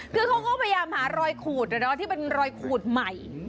คือเขาก็พยายามหารอยขูดที่เป็นรอยขูดใหม่